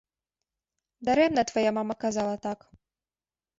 Дарэмна твая мама казала так.